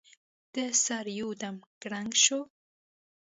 دې سره یو دم کړنګ شو.